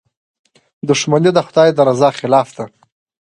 • دښمني د خدای د رضا خلاف ده.